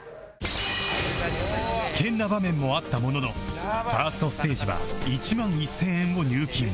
危険な場面もあったものの １ｓｔ ステージは１万１０００円を入金